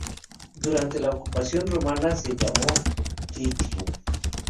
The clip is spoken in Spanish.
Durante la ocupación romana se llamó "Tritium".